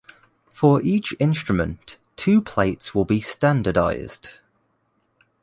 For each instrument two plates will be standardized.